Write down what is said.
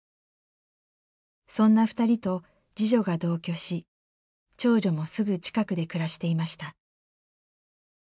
そんな２人と次女が同居し長女もすぐ近くで暮らしていました。